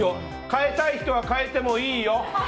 変えたい人は変えてもいいよ！